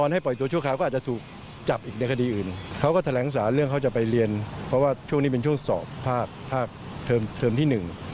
และแหล่งสารเรื่องเขาจะไปเรียนเพราะว่าช่วงนี้เป็นช่วงสอบภาคเทอมที่๑